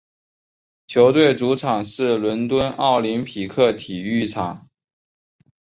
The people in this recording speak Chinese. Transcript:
球队主场是伦敦奥林匹克体育场。